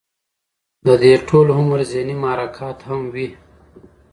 د دې ټول عمل ذهني محرکات هم وي